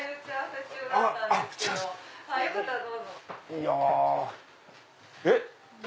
いやえっ！